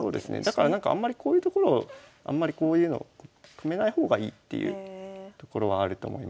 だからなんかあんまりこういうところをあんまりこういうのを止めない方がいいっていうところはあると思いますね。